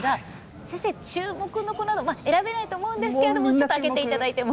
先生注目の子など選べないと思うんですけれどもちょっと挙げて頂いても。